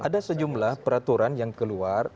ada sejumlah peraturan yang keluar